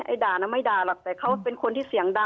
ด่าน่ะไม่ด่าหรอกแต่เขาเป็นคนที่เสียงดัง